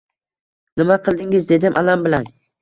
Nima qildingiz? — dedim alam bilan.